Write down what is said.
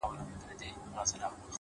گرانه شاعره له مودو راهسي!!